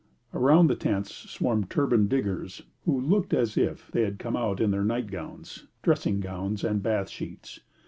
Around the tents swarmed turbaned diggers, who looked as if they had come out in their night gowns, dressing gowns, and bath sheets.